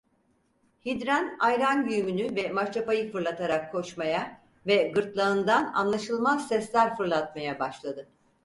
Hinden ayran güğümünü ve maşrapayı fırlatarak koşmaya ve gırtlağından anlaşılmaz sesler fırlatmaya başladı.